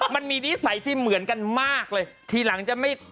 นิสัยที่เหมือนกันมากเลยทีหลังจะไม่